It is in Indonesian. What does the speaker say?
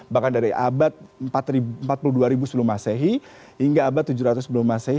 bahkan dari abad empat puluh dua ribu sebelum masehi hingga abad tujuh ratus sebelum masehi